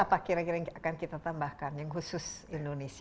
apa kira kira yang akan kita tambahkan yang khusus indonesia